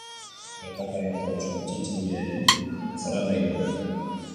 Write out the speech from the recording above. Gertakari natural suntsitzaileenen zerrenda egin dugu.